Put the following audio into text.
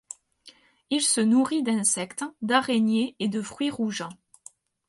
Il se nourrit d'insectes, d'araignées et de fruits rouges.